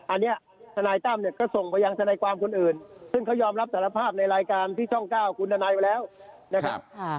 อันนี้ทนายตั้มเนี่ยก็ส่งไปยังทนายความคนอื่นซึ่งเขายอมรับสารภาพในรายการที่ช่อง๙คุณทนายไปแล้วนะครับ